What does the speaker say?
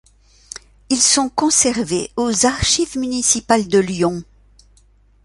Ils sont conservés aux archives municipales de Lyon.